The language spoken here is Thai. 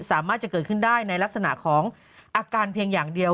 สามารถจะเกิดขึ้นได้ในลักษณะของอาการเพียงอย่างเดียว